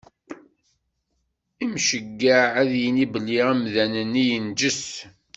Imceyyeɛ ad yini belli amdan-nni yenǧes.